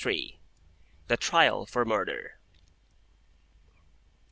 THE TRIAL FOR MURDER.